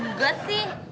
kamu juga sih